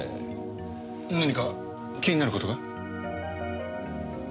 何か気になる事が？